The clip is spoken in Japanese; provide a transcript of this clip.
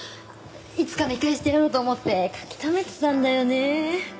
いつか見返してやろうと思って書きためてたんだよねえ。